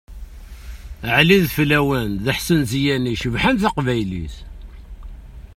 Ɛli Ideflawen d Ḥsen Ziyani cebbḥen taqbaylit!